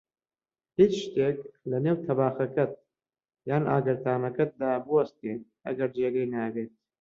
هیچ شتێک لەنێو تەباخەکەت یان ئاگردانەکەت دا بووستێت، ئەگەر جێگەی نابێت